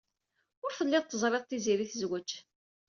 Ur telliḍ teẓriḍ Tiziri tezwej.